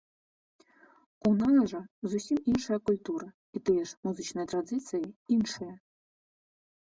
У нас жа зусім іншая культура, і тыя ж музычныя традыцыі іншыя!